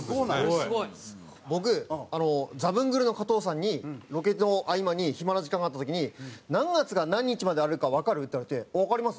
僕ザブングルの加藤さんにロケの合間に暇な時間があった時に「何月が何日まであるかわかる？」って言われて「わかりますよ」って。